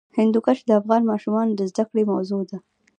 هندوکش د افغان ماشومانو د زده کړې موضوع ده.